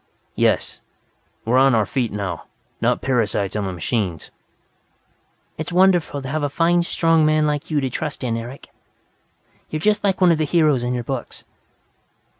"Yes, we're on our feet now, not parasites on the machines." "It's wonderful to have a fine, strong man like you to trust in, Eric. You're just like one of the heroes in your books!"